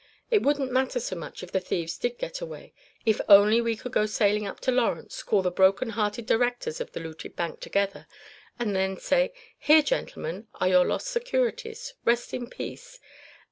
It wouldn't matter so much if the thieves did get away, if only we could go sailing up to Lawrence, call the broken hearted directors of the looted bank together, and then say: 'Here, gentlemen, are your lost securities. Rest in peace!